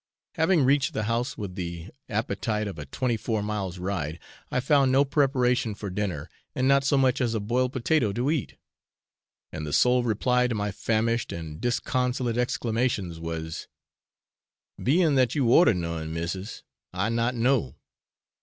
Having reached the house with the appetite of a twenty four miles' ride, I found no preparation for dinner, and not so much as a boiled potato to eat, and the sole reply to my famished and disconsolate exclamations was 'Being that you order none, missis, I not know.'